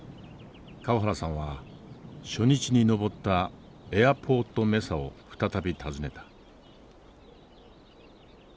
川原さんは初日に登ったエアポートメサを再び訪ねた。